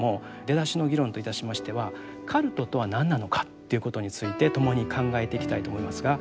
出だしの議論といたしましてはカルトとは何なのかということについて共に考えていきたいと思いますが。